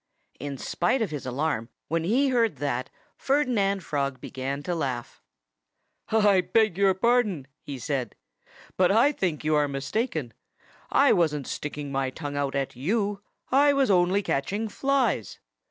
In spite of his alarm, when he heard that Ferdinand Frog began to laugh. "I beg your pardon," he said, "but I think you are mistaken. I wasn't sticking my tongue out at you. I was only catching flies."